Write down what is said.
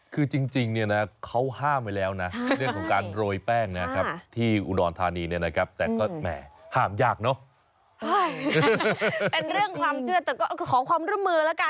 คือจริงเนี่ยนะเขาห้ามไว้แล้วนะเรื่องของการโรยแป้งนะครับที่อุดรธานีเนี่ยนะครับแต่ก็แหม่ห้ามยากเนาะ